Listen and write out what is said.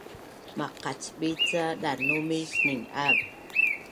Maqacbit ca danumis ning’av